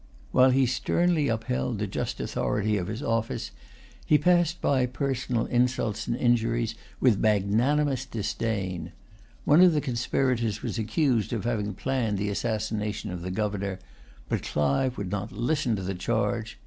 While he sternly upheld the just authority of his office, he passed by personal insults and injuries with magnanimous disdain. One of the conspirators was accused of having planned the assassination of the governor; but Clive would not listen to the charge.